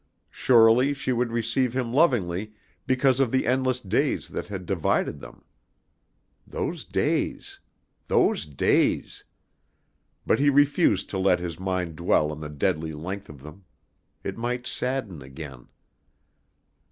Surely she would receive him lovingly because of the endless days that had divided them. Those days! Those days! But he refused to let his mind dwell on the deadly length of them. It might sadden again.